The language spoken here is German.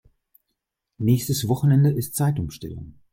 Nächstes Wochenende ist Zeitumstellung.